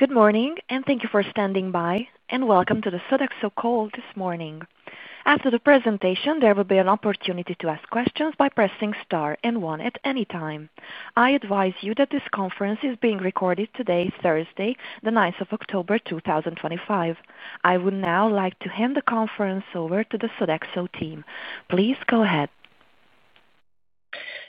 Good morning, and thank you for standing by, and welcome to the Sodexo call this morning. After the presentation, there will be an opportunity to ask questions by pressing star and one at any time. I advise you that this conference is being recorded today, Thursday, the 9th of October, 2025. I would now like to hand the conference over to the Sodexo team. Please go ahead.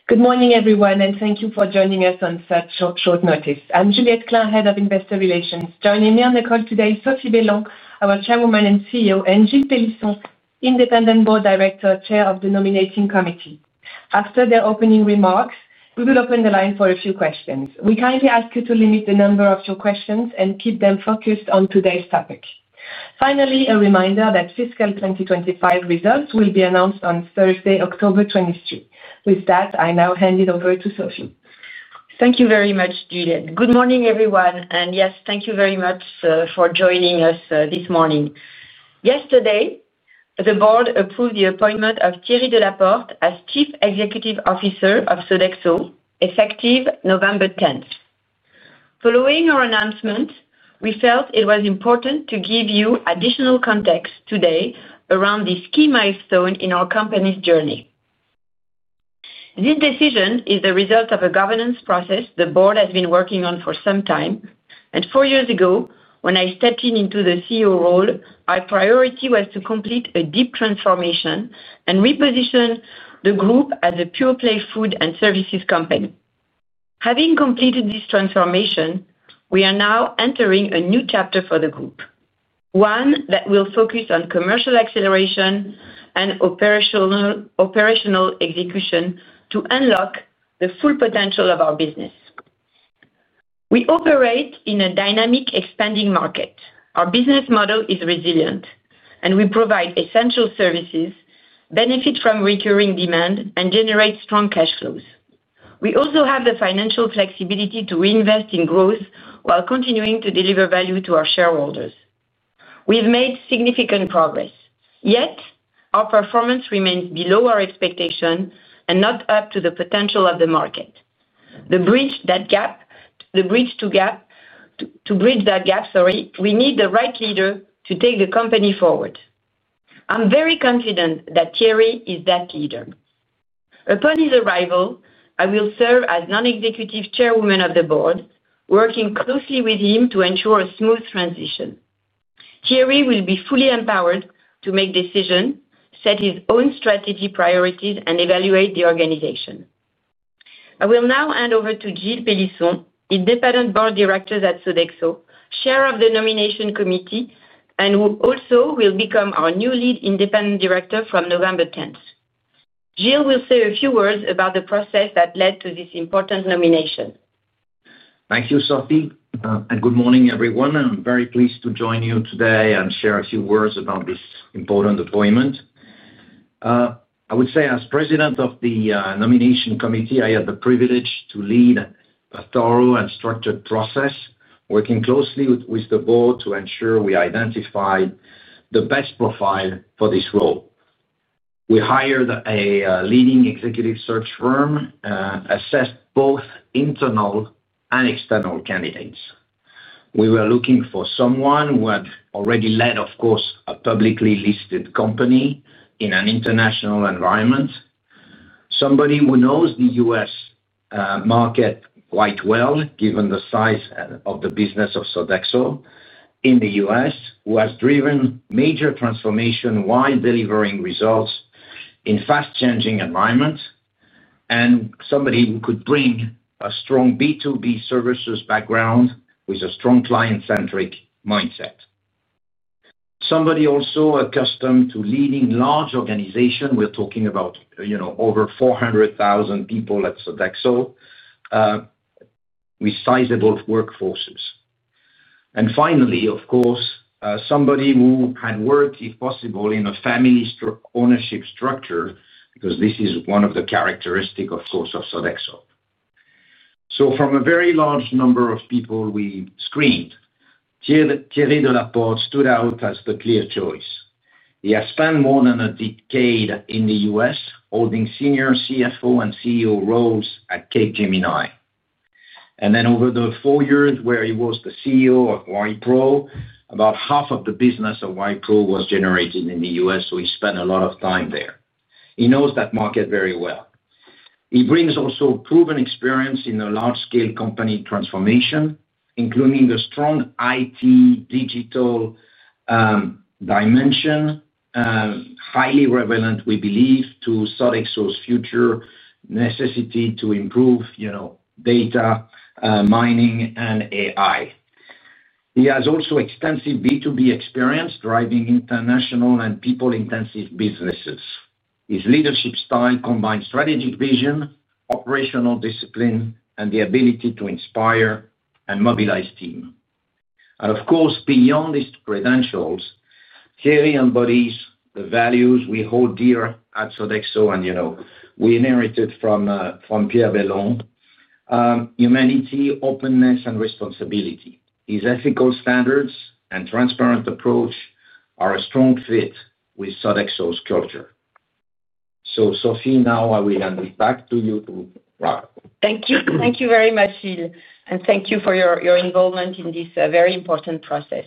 Good morning, everyone, and thank you for joining us on such short notice. I'm Juliette Klein, Head of Investor Relations. Joining me on the call today is Sophie Bellon, our Chairwoman and CEO, and Gilles Pélisson, Independent Board Director, Chair of the Nominating Committee. After their opening remarks, we will open the line for a few questions. We kindly ask you to limit the number of your questions and keep them focused on today's topic. Finally, a reminder that fiscal 2025 results will be announced on Thursday, October 23. With that, I now hand it over to Sophie. Thank you very much, Juliette. Good morning, everyone, and yes, thank you very much for joining us this morning. Yesterday, the board approved the appointment of Thierry Delaporte as Chief Executive Officer of Sodexo, effective November 10. Following our announcement, we felt it was important to give you additional context today around the key milestone in our company's journey. This decision is the result of a governance process the board has been working on for some time. Four years ago, when I stepped into the CEO role, our priority was to complete a deep transformation and reposition the group as a pure-play food and services company. Having completed this transformation, we are now entering a new chapter for the group, one that will focus on commercial acceleration and operational execution to unlock the full potential of our business. We operate in a dynamic, expanding market. Our business model is resilient, and we provide essential services, benefit from recurring demand, and generate strong cash flows. We also have the financial flexibility to reinvest in growth while continuing to deliver value to our shareholders. We've made significant progress. Yet, our performance remains below our expectation and not up to the potential of the market. To bridge that gap, we need the right leader to take the company forward. I'm very confident that Thierry is that leader. Upon his arrival, I will serve as non-executive chairwoman of the board, working closely with him to ensure a smooth transition. Thierry will be fully empowered to make decisions, set his own strategy, priorities, and evaluate the organization. I will now hand over to Gilles Pélisson, Independent Board Director at Sodexo, Chair of the Nominating Committee, and who also will become our new Lead Independent Director from November 10. Gilles will say a few words about the process that led to this important nomination. Thank you, Sophie, and good morning, everyone. I'm very pleased to join you today and share a few words about this important appointment. I would say, as President of the Nominating Committee, I had the privilege to lead a thorough and structured process, working closely with the Board to ensure we identified the best profile for this role. We hired a leading executive search firm and assessed both internal and external candidates. We were looking for someone who had already led, of course, a publicly listed company in an international environment, somebody who knows the U.S. market quite well, given the size of the business of Sodexo in the U.S., who has driven major transformation while delivering results in fast-changing environments, and somebody who could bring a strong B2B services background with a strong client-centric mindset. Somebody also accustomed to leading large organizations. We're talking about, you know, over 400,000 people at Sodexo with sizable workforces. Finally, of course, somebody who had worked, if possible, in a family ownership structure, because this is one of the characteristics, of course, of Sodexo. From a very large number of people we screened, Thierry Delaporte stood out as the clear choice. He has spent more than a decade in the U.S., holding senior CFO and CEO roles at Capgemini. Then over the four years where he was the CEO at Wipro, about half of the business of Wipro was generated in the U.S., so he spent a lot of time there. He knows that market very well. He brings also proven experience in a large-scale company transformation, including a strong IT digital dimension, highly relevant, we believe, to Sodexo's future necessity to improve, you know, data, mining, and AI. He has also extensive B2B experience driving international and people-intensive businesses. His leadership style combines strategic vision, operational discipline, and the ability to inspire and mobilize teams. Of course, beyond these credentials, Thierry embodies the values we hold dear at Sodexo, and you know, we inherited from Pierre Bellon: humanity, openness, and responsibility. His ethical standards and transparent approach are a strong fit with Sodexo's culture. Sophie, now I will hand it back to you to... Thank you. Thank you very much, Gilles, and thank you for your involvement in this very important process.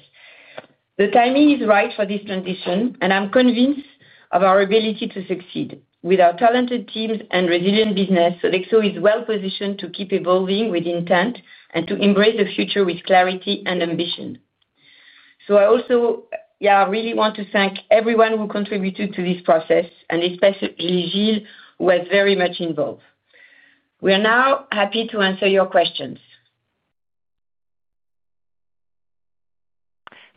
The timing is right for this transition, and I'm convinced of our ability to succeed. With our talented teams and resilient business, Sodexo is well-positioned to keep evolving with intent and to embrace the future with clarity and ambition. I really want to thank everyone who contributed to this process, and especially Gilles, who was very much involved. We are now happy to answer your questions.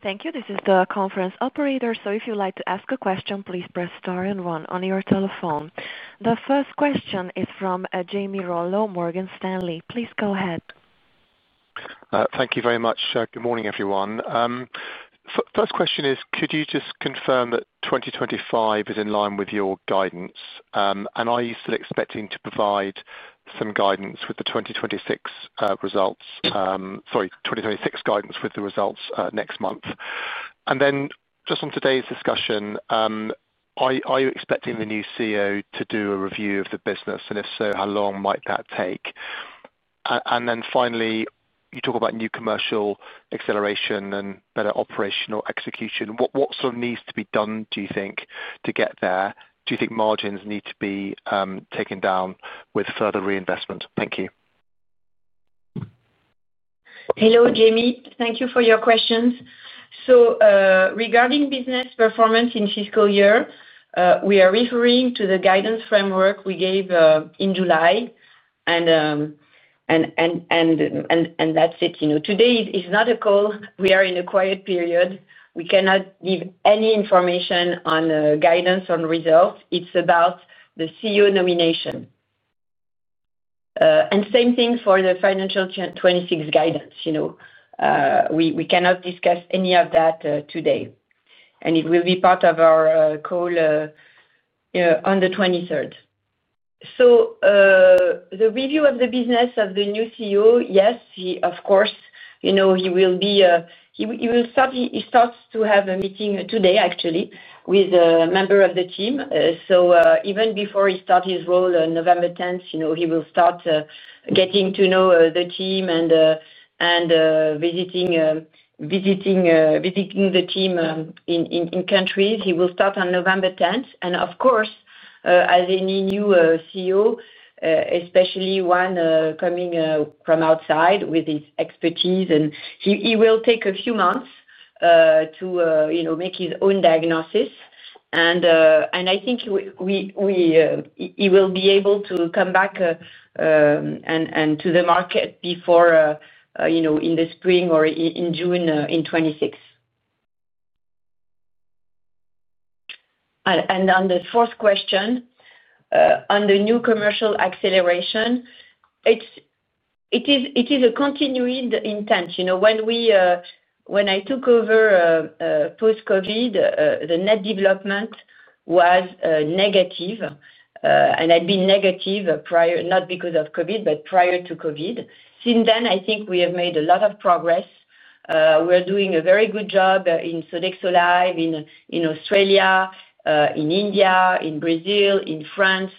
Thank you. This is the conference operator. If you'd like to ask a question, please press star and one on your telephone. The first question is from Jamie Rollo, Morgan Stanley. Please go ahead. Thank you very much. Good morning, everyone. First question is, could you just confirm that 2025 is in line with your guidance? Are you still expecting to provide some guidance with the 2026 results? Sorry, 2026 guidance with the results next month. On today's discussion, are you expecting the new CEO to do a review of the business? If so, how long might that take? Finally, you talk about new commercial acceleration and better operational execution. What sort of needs to be done, do you think, to get there? Do you think margins need to be taken down with further reinvestment? Thank you. Hello, Jamie. Thank you for your questions. Regarding business performance in the fiscal year, we are referring to the guidance framework we gave in July, and that's it. Today is not a call. We are in a quiet period. We cannot give any information on guidance on results. It's about the CEO nomination. The same thing for the financial 2026 guidance. We cannot discuss any of that today. It will be part of our call on the 23rd. The review of the business of the new CEO, yes, of course, he will be, he will start, he starts to have a meeting today, actually, with a member of the team. Even before he starts his role on November 10th, he will start getting to know the team and visiting the team in countries. He will start on November 10th. Of course, as any new CEO, especially one coming from outside with his expertise, he will take a few months to make his own diagnosis. I think he will be able to come back to the market before, in the spring or in June 2026. On the fourth question, on the new commercial acceleration, it is a continuing intent. When I took over post-COVID, the net development was negative and had been negative prior, not because of COVID, but prior to COVID. Since then, I think we have made a lot of progress. We're doing a very good job in Sodexo Live in Australia, in India, in Brazil, in France.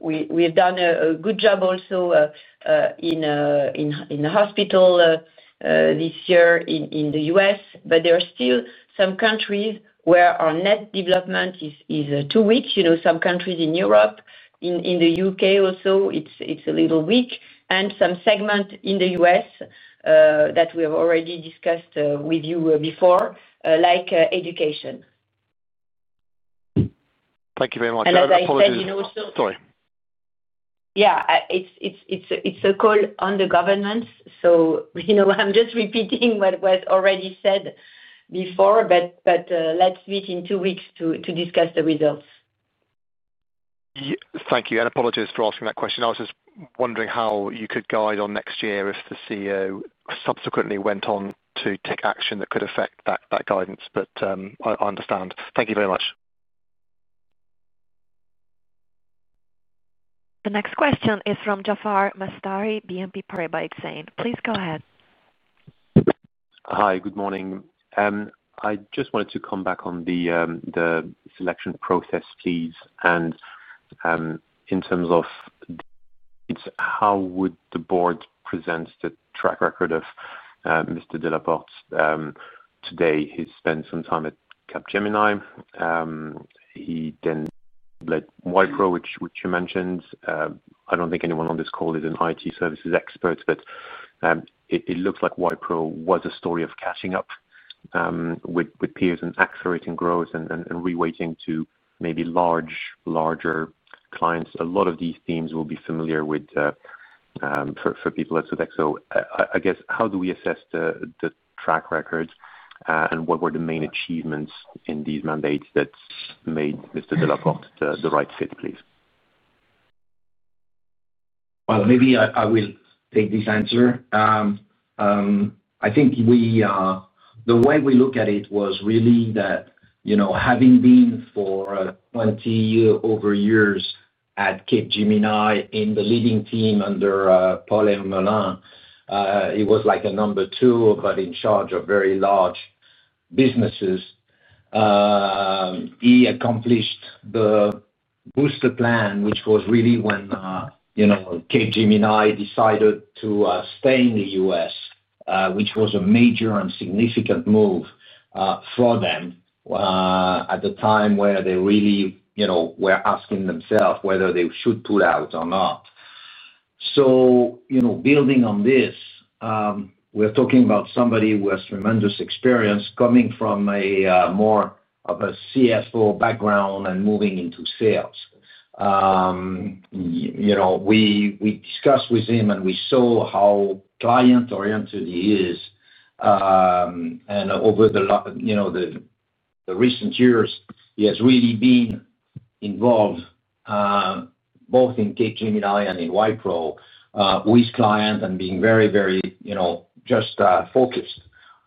We've done a good job also in the hospital this year in the U.S. There are still some countries where our net development is too weak. Some countries in Europe, in the U.K. also, it's a little weak, and some segments in the U.S. that we have already discussed with you before, like education. Thank you very much. I would like to say, you know... Sorry. Yeah, it's a call on the governance. I'm just repeating what was already said before, but let's meet in two weeks to discuss the results. Thank you. I apologize for asking that question. I was just wondering how you could guide on next year if the CEO subsequently went on to take action that could affect that guidance. I understand. Thank you very much. The next question is from Jaafar Mestari, BNP Paribas S.A., please go ahead. Hi, good morning. I just wanted to come back on the selection process, please. In terms of how would the Board present the track record of Mr. Delaporte? Today, he spent some time at Capgemini. He then led Wipro, which you mentioned. I don't think anyone on this call is an IT services expert, but it looks like Wipro was a story of catching up with peers and accelerating growth and reweighting to maybe large, larger clients. A lot of these themes will be familiar for people at Sodexo. I guess, how do we assess the track record and what were the main achievements in these mandates that made Mr. Delaporte the right fit, please? Maybe I will take this answer. I think the way we looked at it was really that, you know, having been for over 20 years at Capgemini in the leading team under Paul Hermelin, he was like a number two but in charge of very large businesses. He accomplished the booster plan, which was really when, you know, Capgemini decided to stay in the U.S., which was a major and significant move for them at the time where they really, you know, were asking themselves whether they should pull out or not. Building on this, we're talking about somebody who has tremendous experience coming from more of a CFO background and moving into sales. You know, we discussed with him and we saw how client-oriented he is. Over the recent years, he has really been involved both in Capgemini and in Wipro with clients and being very, very, you know, just focused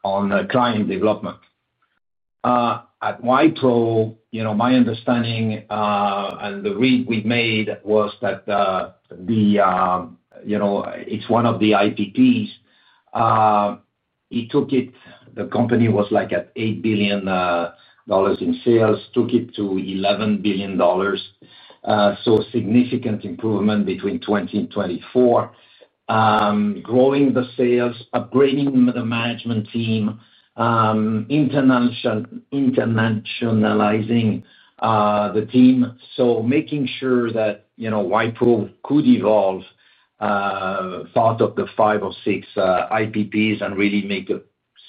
on client development. At Wipro, my understanding and the read we made was that, you know, it's one of the IPPs. He took it, the company was at $8 billion in sales, took it to $11 billion. Significant improvement between 2020 and 2024. Growing the sales, upgrading the management team, internationalizing the team. Making sure that, you know, Wipro could evolve part of the five or six IPPs and really make a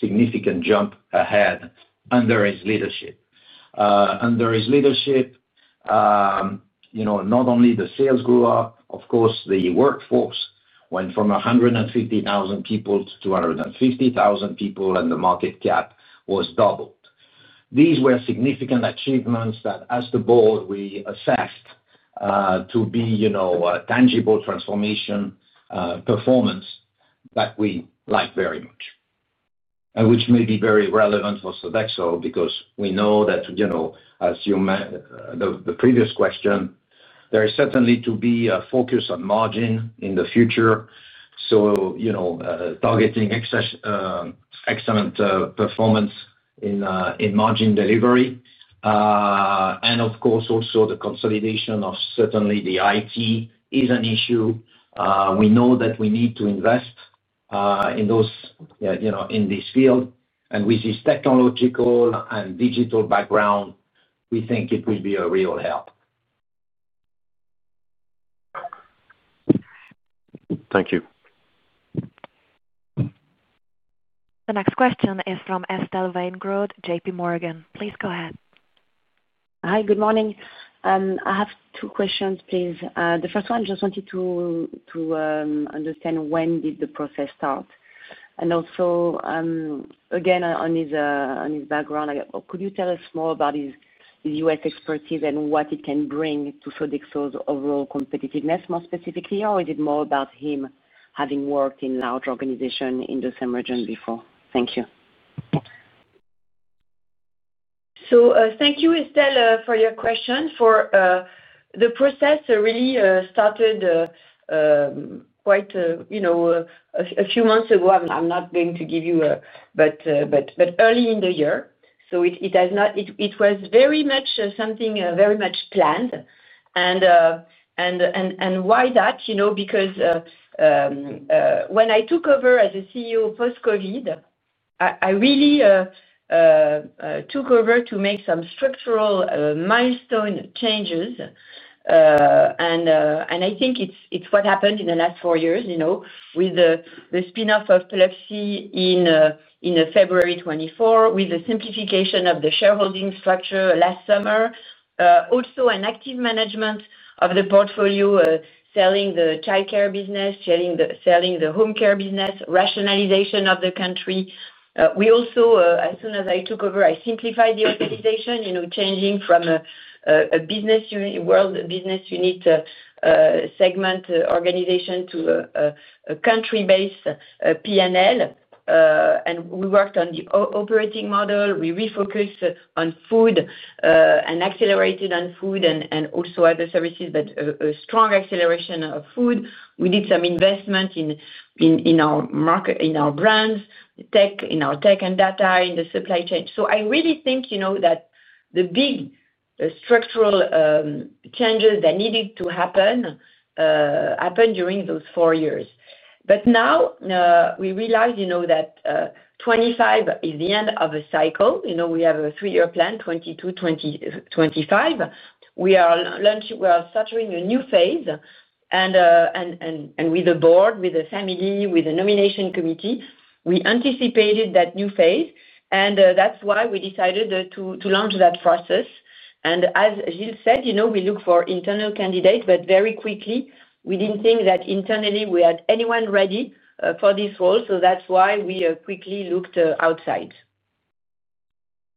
significant jump ahead under his leadership. Under his leadership, not only the sales grew up, of course, the workforce went from 150,000 people to 250,000 people, and the market cap was doubled. These were significant achievements that, as the board, we assessed to be a tangible transformation performance that we like very much, which may be very relevant for Sodexo because we know that, as you mentioned in the previous question, there is certainly to be a focus on margin in the future. Targeting excellent performance in margin delivery. Of course, also the consolidation of certainly the IT is an issue. We know that we need to invest in those, you know, in this field. With this technological and digital background, we think it will be a real help. Thank you. The next question is from Estelle Weingrod, JPMorgan. Please go ahead. Hi, good morning. I have two questions, please. The first one, I just wanted to understand when did the process start? Also, again, on his background, could you tell us more about his U.S. expertise and what it can bring to Sodexo's overall competitiveness more specifically, or is it more about him having worked in a large organization in this emergence before? Thank you. Thank you, Estelle, for your question. The process really started quite a few months ago. I'm not going to give you, but early in the year. It was very much something very much planned. Why that? When I took over as CEO post-COVID, I really took over to make some structural milestone changes. I think it's what happened in the last four years, with the spin-off of Pluxee in February 2024, with the simplification of the shareholding structure last summer, also an active management of the portfolio, selling the childcare business, selling the home care business, rationalization of the country. As soon as I took over, I simplified the authorization, changing from a world business unit segment organization to a country-based P&L. We worked on the operating model. We refocused on food and accelerated on food and also other services, but a strong acceleration of food. We did some investment in our market, in our brands, in our tech and data, in the supply chain. I really think that the big structural changes that needed to happen happened during those four years. Now we realize that 2025 is the end of a cycle. We have a three-year plan, 2022-2025. We are starting a new phase. With the board, with the family, with the nomination committee, we anticipated that new phase. That's why we decided to launch that process. As Gilles said, we looked for internal candidates, but very quickly, we didn't think that internally we had anyone ready for this role. That's why we quickly looked outside.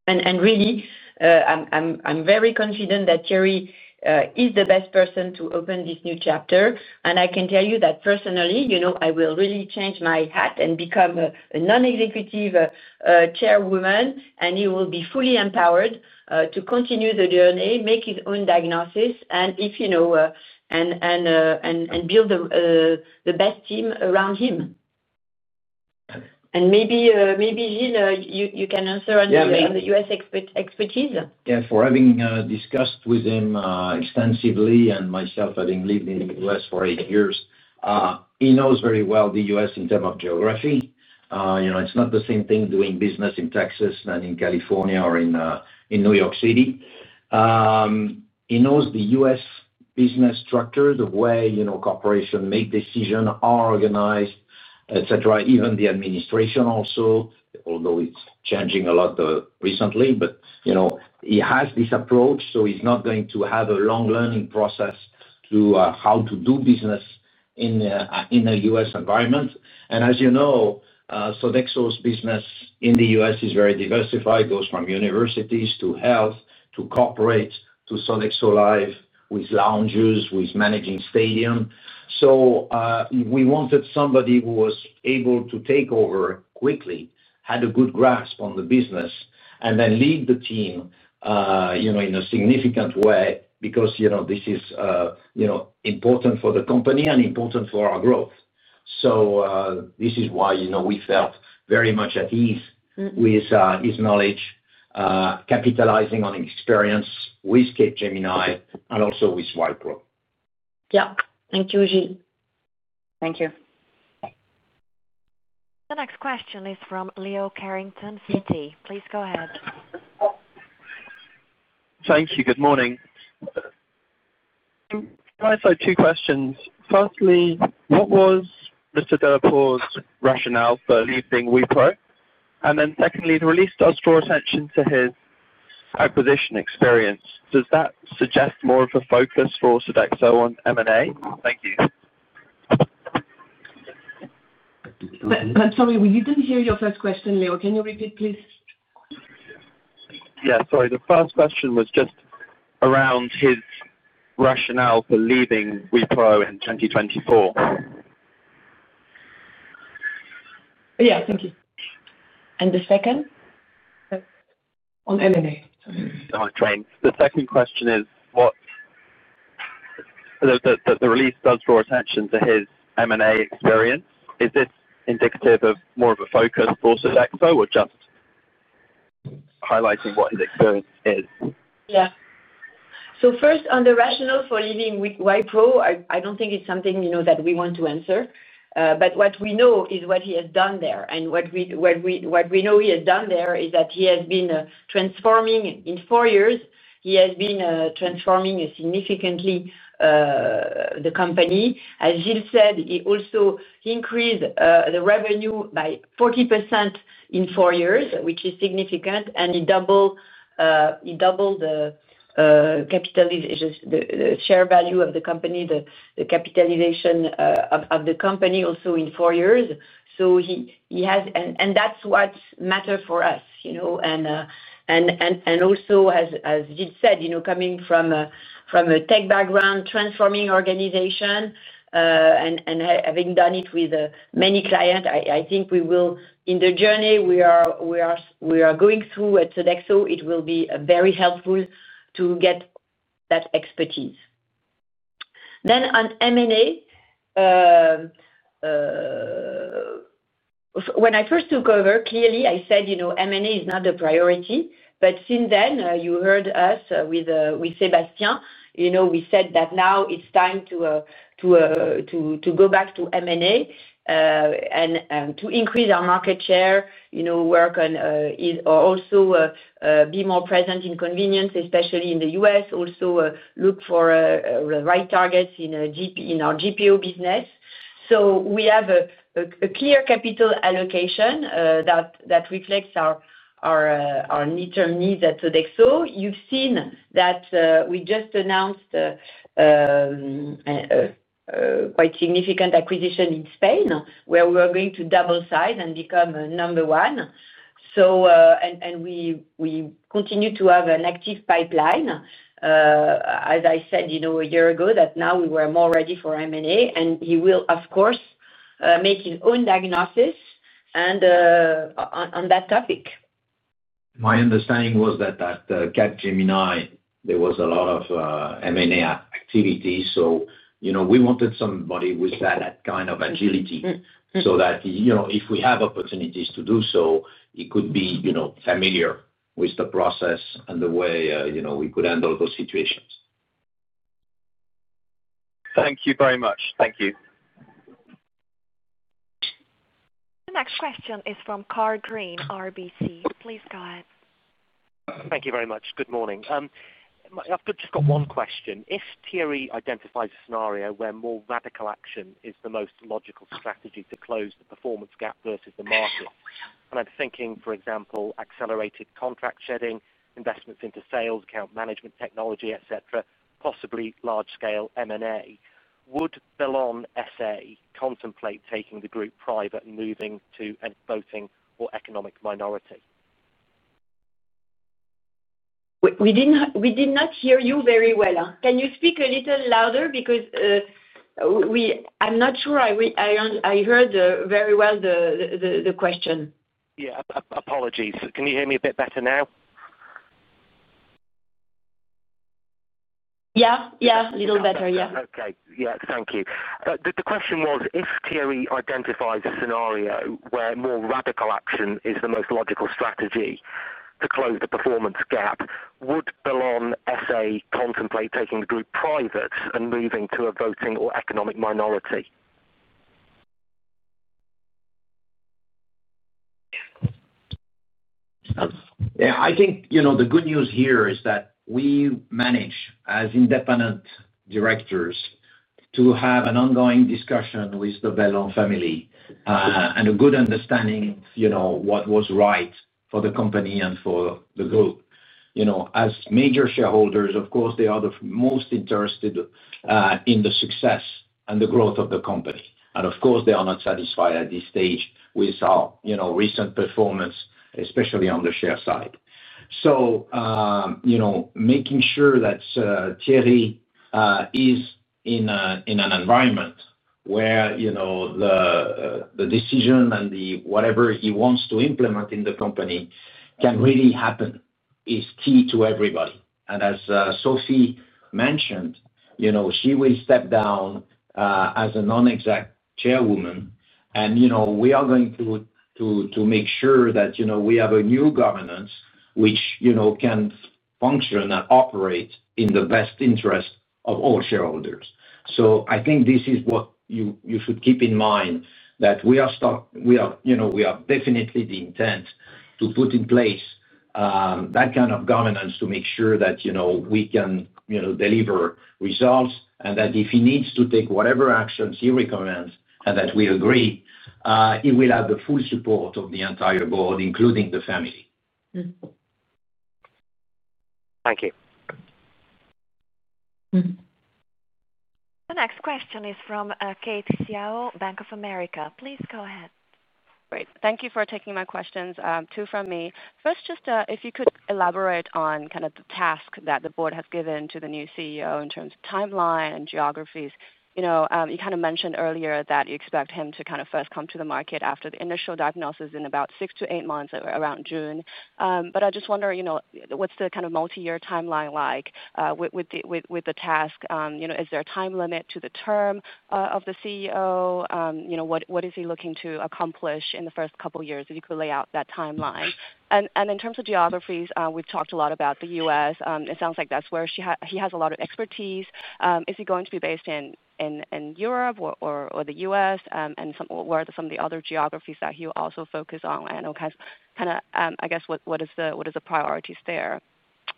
I'm very confident that Thierry is the best person to open this new chapter. I can tell you that personally, I will really change my hat and become a non-executive chairwoman, and he will be fully empowered to continue the journey, make his own diagnosis, and build the best team around him. Maybe, Gilles, you can answer on the U.S. expertise. Yes, for having discussed with him extensively and myself having lived in the U.S. for eight years, he knows very well the U.S. in terms of geography. You know, it's not the same thing doing business in Texas than in California or in New York City. He knows the U.S. business structure, the way, you know, corporations make decisions, are organized, etc. Even the administration also, although it's changing a lot recently, but you know, he has this approach, so he's not going to have a long learning process to how to do business in a U.S. environment. As you know, Sodexo's business in the U.S. is very diversified. It goes from universities to health to corporate to Sodexo Live with lounges, with managing stadiums. We wanted somebody who was able to take over quickly, had a good grasp on the business, and then lead the team, you know, in a significant way because, you know, this is, you know, important for the company and important for our growth. This is why, you know, we felt very much at ease with his knowledge, capitalizing on experience with Capgemini and also with Wipro. Thank you, Gilles. Thank you. The next question is from [Leo Carrington, VD]. Please go ahead. Thank you. Good morning. I have two questions. Firstly, what was Mr. Delaporte's rationale for leaving Wipro? Secondly, the release does draw attention to his acquisition experience. Does that suggest more of a focus for Sodexo on M&A? Thank you. I'm sorry, I didn't hear your first question, Leo. Can you repeat, please? Yeah, sorry. The first question was just around his rationale for leaving Wipro in 2024. Thank you. The second? On M&A. All right, great. The second question is, what the release does draw attention to is M&A experience. Is this indicative of more of a focus for Sodexo or just highlighting what his experience is? Yeah. First, on the rationale for leaving Wipro, I don't think it's something, you know, that we want to answer. What we know is what he has done there. What we know he has done there is that he has been transforming in four years. He has been transforming significantly the company. As Gilles said, he also increased the revenue by 40% in four years, which is significant. He doubled the share value of the company, the capitalization of the company also in four years. He has, and that's what matters for us, you know. Also, as Gilles said, you know, coming from a tech background, transforming an organization, and having done it with many clients, I think we will, in the journey we are going through at Sodexo, it will be very helpful to get that expertise. On M&A, when I first took over, clearly, I said, you know, M&A is not the priority. Since then, you heard us with Sébastien, you know, we said that now it's time to go back to M&A and to increase our market share, you know, work on, or also be more present in convenience, especially in the U.S. Also, look for the right targets in our GPO business. We have a clear capital allocation that reflects our near-term needs at Sodexo. You've seen that we just announced a quite significant acquisition in Spain, where we are going to double size and become number one. We continue to have an active pipeline. As I said, you know, a year ago, that now we were more ready for M&A. He will, of course, make his own diagnosis on that topic. My understanding was that at Capgemini, there was a lot of M&A activity. We wanted somebody with that kind of agility so that if we have opportunities to do so, he could be familiar with the process and the way we could handle those situations. Thank you very much. Thank you. The next question is from Karl Green, RBC. Please go ahead. Thank you very much. Good morning. I've just got one question. If Thierry identifies a scenario where more radical action is the most logical strategy to close the performance gap versus the margin, and I'm thinking, for example, accelerated contract shedding, investments into sales, account management technology, etc., possibly large-scale M&A, would Bellon S.A. contemplate taking the group private and moving to a voting or economic minority? We did not hear you very well. Can you speak a little louder? I'm not sure I heard very well the question. Apologies. Can you hear me a bit better now? Yeah, a little better, yeah. Okay, yeah, thank you. The question was, if Thierry identifies a scenario where more radical action is the most logical strategy to close the performance gap, would Bellon S.A. contemplate taking the group private and moving to a voting or economic minority? Yeah, I think the good news here is that we manage as independent directors to have an ongoing discussion with the Bellon family and a good understanding of what was right for the company and for the group. As major shareholders, of course, they are the most interested in the success and the growth of the company. Of course, they are not satisfied at this stage with our recent performance, especially on the share side. Making sure that Thierry is in an environment where the decision and whatever he wants to implement in the company can really happen is key to everybody. As Sophie mentioned, she will step down as a non-executive chairwoman. We are going to make sure that we have a new governance which can function and operate in the best interest of all shareholders. I think this is what you should keep in mind, that we have definitely the intent to put in place that kind of governance to make sure that we can deliver results and that if he needs to take whatever actions he recommends and that we agree, he will have the full support of the entire board, including the family. Thank you. The next question is from Kate Xiao, Bank of America. Please go ahead. Great. Thank you for taking my questions, two from me. First, just if you could elaborate on kind of the task that the board has given to the new CEO in terms of timeline and geographies. You know, you kind of mentioned earlier that you expect him to kind of first come to the market after the initial diagnosis in about six to eight months, around June. I just wonder, you know, what's the kind of multi-year timeline like with the task? You know, is there a time limit to the term of the CEO? You know, what is he looking to accomplish in the first couple of years? If you could lay out that timeline. In terms of geographies, we've talked a lot about the U.S. It sounds like that's where he has a lot of expertise. Is he going to be based in Europe or the U.S.? What are some of the other geographies that he'll also focus on? I guess, what are the priorities there?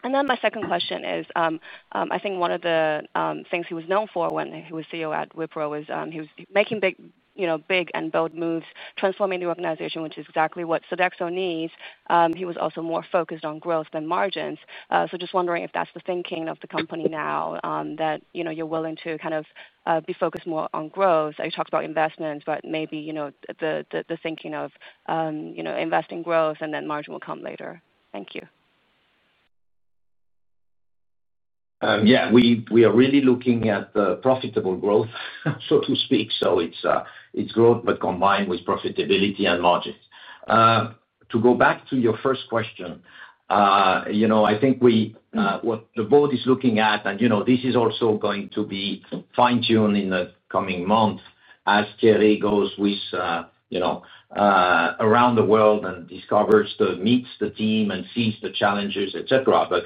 My second question is, I think one of the things he was known for when he was CEO at Wipro was he was making big, you know, big and bold moves, transforming the organization, which is exactly what Sodexo needs. He was also more focused on growth than margins. Just wondering if that's the thinking of the company now, that you know you're willing to kind of be focused more on growth. You talked about investments, but maybe, you know, the thinking of, you know, investing growth and then margin will come later. Thank you. Yeah, we are really looking at profitable growth, so to speak. It's growth, but combined with profitability and margin. To go back to your first question, I think what the board is looking at, and this is also going to be fine-tuned in the coming months as Thierry goes around the world and meets the team and sees the challenges, etc.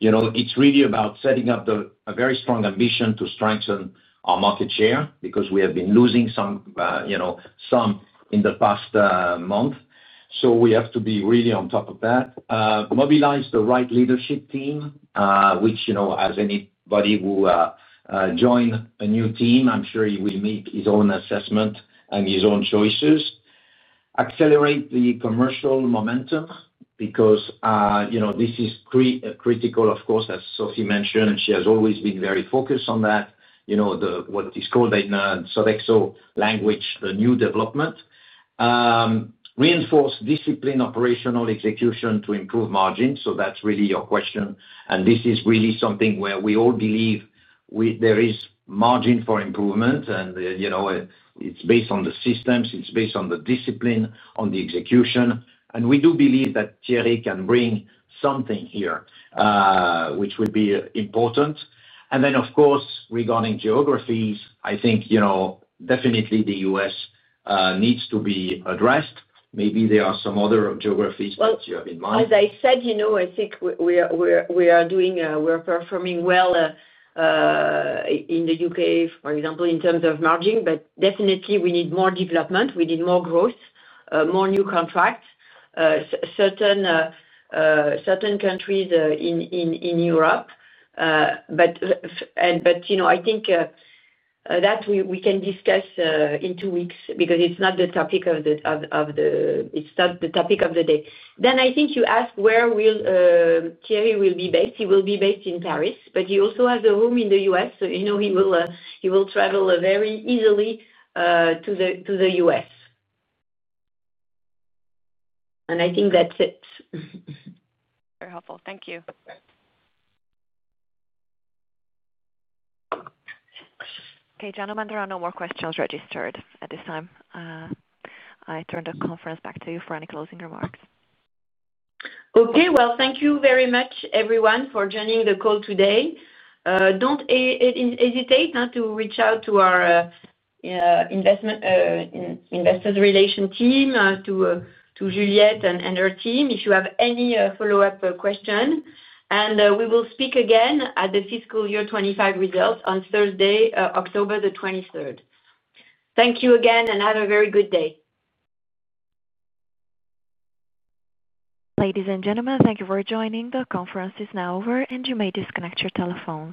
It's really about setting up a very strong ambition to strengthen our market share because we have been losing some in the past month. We have to be really on top of that. Mobilize the right leadership team, which, as anybody who joins a new team, I'm sure he will make his own assessment and his own choices. Accelerate the commercial momentum because this is critical, of course, as Sophie mentioned. She has always been very focused on that, what is called in Sodexo language, the new development. Reinforce disciplined operational execution to improve margins. That's really your question. This is really something where we all believe there is margin for improvement. It's based on the systems. It's based on the discipline, on the execution. We do believe that Thierry can bring something here, which would be important. Of course, regarding geographies, I think definitely the U.S. needs to be addressed. Maybe there are some other geographies that you have in mind. As I said, you know, I think we are doing, we are performing well in the U.K., for example, in terms of margin. We definitely need more development. We need more growth, more new contracts, certain countries in Europe. I think that we can discuss in two weeks because it's not the topic of the day. I think you asked where will Thierry be based. He will be based in Paris, but he also has a home in the U.S. He will travel very easily to the U.S. I think that's it. Very helpful. Thank you. Okay, gentlemen, there are no more questions registered at this time. I turn the conference back to you for any closing remarks. Thank you very much, everyone, for joining the call today. Don't hesitate to reach out to our Investor Relations team, to Juliette and her team, if you have any follow-up questions. We will speak again at the fiscal year 2025 results on Thursday, October 23. Thank you again and have a very good day. Ladies and gentlemen, thank you for joining. The conference is now over, and you may disconnect your telephone.